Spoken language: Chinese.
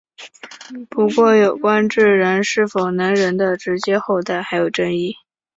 不过有关智人是否能人的直接后代还有争议。